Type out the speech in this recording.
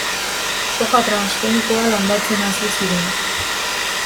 Soja transgenikoa landatzen hasi ziren.